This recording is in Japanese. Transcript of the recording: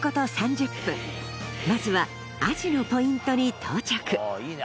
まずはアジのポイントに到着いいね